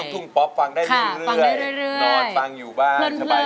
ทุ่งป๊อปฟังได้เรื่อยนอนฟังอยู่บ้านสบาย